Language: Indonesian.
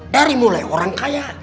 dari mulai orang kaya